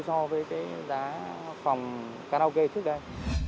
so với giá phòng karaoke trước đây